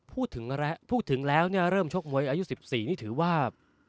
พูดถึงแล้วเนี่ยเริ่มชกมวยอายุ๑๔นี่ถือว่า